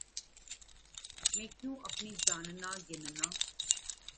مَیں کیوں اپنی جاننا گننا